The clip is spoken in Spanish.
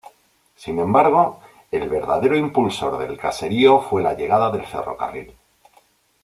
Sin embargo, el verdadero impulsor del caserío fue la llegada del ferrocarril.